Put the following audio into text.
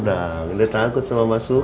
dia takut sama mas suha